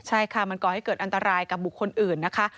ใช่ค่ะมันก่อให้เกิดอันตรายกับบุคคลอื่นนะคะ